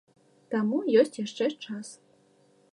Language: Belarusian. Таму ёсць яшчэ час.